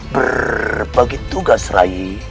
berbagi tugas rai